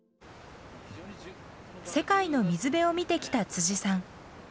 世界の水辺を見てきたさん。